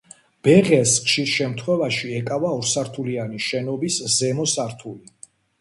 ბეღელს ხშირ შემთხვევაში ეკავა ორსართულიანი შენობის ზემო სართული.